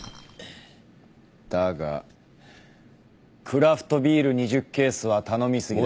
だがクラフトビール２０ケースは頼み過ぎだ。